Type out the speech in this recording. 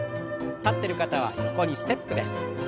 立ってる方は横にステップです。